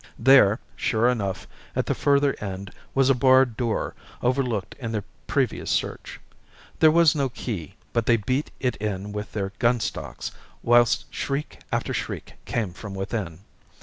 There, sure enough, at the further end, was a barred door, overlooked in their previous search. There was no key, but they beat it in with their gunstocks, whilst shriek after shriek came from within.